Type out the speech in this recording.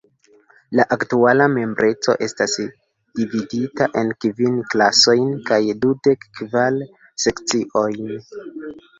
La aktuala membreco estas dividita en kvin klasojn kaj dudek kvar sekciojn.